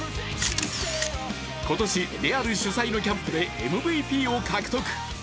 今年、レアル主催のキャンプでＭＶＰを獲得。